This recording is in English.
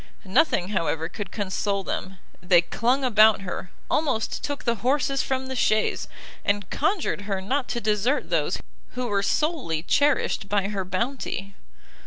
Nothing, however, could console them; they clung about her, almost took the horses from the chaise, and conjured her not to desert those who were solely cherished by her bounty!